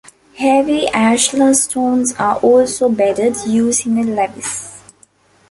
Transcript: Heavy ashlar stones are also bedded using a lewis.